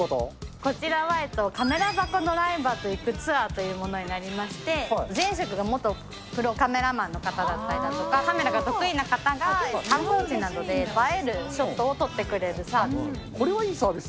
こちらは、カメラバカドライバーと行くツアーというものになりまして、前職が元プロカメラマンの方だったりとか、カメラが得意な方が、観光地などで映えるショットを撮ってくれるサービス。